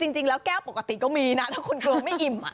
จริงแล้วแก้วปกติก็มีนะถ้าคุณเกลือไม่อิ่ม